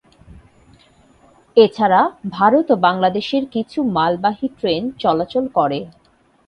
এছাড়া ভারত ও বাংলাদেশের কিছু মালবাহী ট্রেন চলাচল করে।